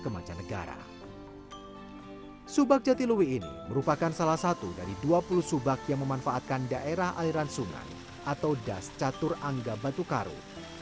subak jatiluwi ini merupakan salah satu dari dua puluh subak yang memanfaatkan daerah aliran sungai atau das catur angga batu karu